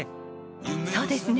そうですね。